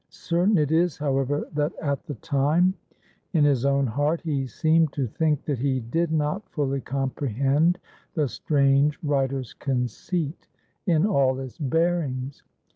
Certain it is, however, that at the time, in his own heart, he seemed to think that he did not fully comprehend the strange writer's conceit in all its bearings.